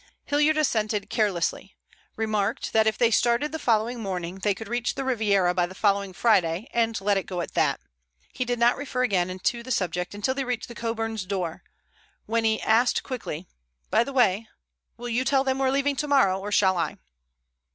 Hilliard assented carelessly, remarked that if they started the following morning they could reach the Riviera by the following Friday, and let it go at that. He did not refer again to the subject until they reached the Coburns' door, when he asked quickly: "By the way, will you tell them we're leaving tomorrow or shall I?"